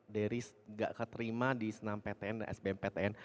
deris gak keterima di senam ptn dan sbm ptn